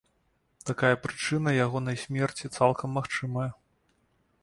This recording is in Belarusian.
Такая прычына ягонай смерці цалкам магчымая.